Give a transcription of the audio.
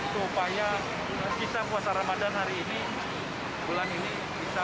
supaya kisah puasa ramadan hari ini bulan ini bisa